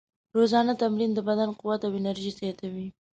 روزانه تمرین د بدن قوت او انرژي زیاتوي.